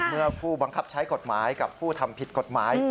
เมื่อผู้บังคับใช้กฎหมายกับผู้ทำผิดกฎหมาย